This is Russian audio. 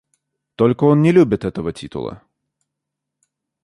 Только он не любит этого титула.